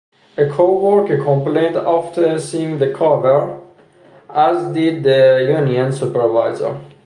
A co-worker complained after seeing the cover, as did his union supervisor.